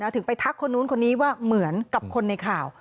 ถึงไปทักคนนู้นคนนี้ว่าเหมือนกับคนในข่าว